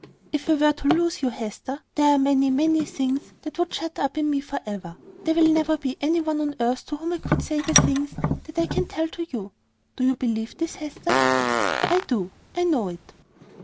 "If I were to lose you, Hester, there are many, many things that would be shut up in me for ever. There will never be any one on earth to whom I could say the things that I can tell to you. Do you believe this, Hester?" "I do. I know it."